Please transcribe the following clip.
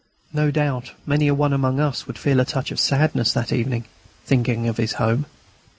No doubt many a one among us would feel a touch of sadness that evening, thinking of his home.